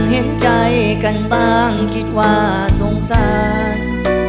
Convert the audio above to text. เห็นใจกันบ้างคิดว่าสงสาร